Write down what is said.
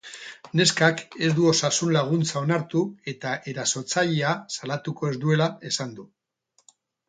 Neskak ez du osasun-laguntza onartu eta erasotzailea salatuko ez duela esan du.